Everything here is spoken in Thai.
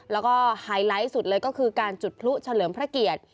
แล้วก็ไฮไลท์สุดเลยก็คือการจุดพลุเฉลิมพระเกียรติ